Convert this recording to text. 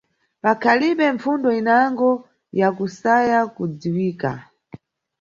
Pakhalibe mpfundo inango yakusaya kudziwika.